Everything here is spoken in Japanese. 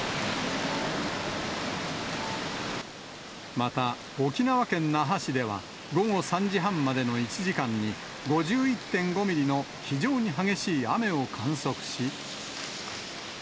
また、沖縄県那覇市では、午後３時半までの１時間に、５１．５ミリの非常に激しい雨を観測し。